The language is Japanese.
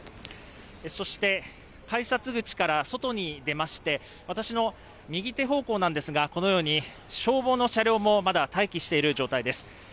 そして改札口から外に出まして私の右手方向なんですがこのように消防の車両もまだ待機している状態です。